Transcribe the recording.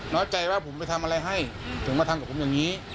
น้อยใจว่าผมไปทำอะไรให้ถึงมาทำกับผมอย่างนี้